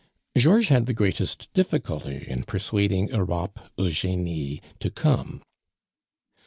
Georges had the greatest difficulty in persuading Europe Eugenie to come.